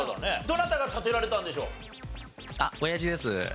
どなたが建てられたんでしょう？